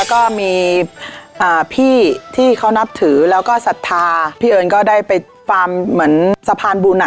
แล้วก็มีพี่ที่เขานับถือแล้วก็ศรัทธาพี่เอิญก็ได้ไปฟาร์มเหมือนสะพานบุญอ่ะ